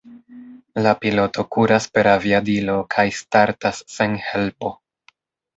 La piloto kuras per aviadilo kaj startas sen helpo.